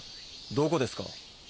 どこですか？